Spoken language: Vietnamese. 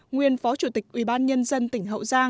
nguyên phó chủ tịch ubnd tỉnh hậu giang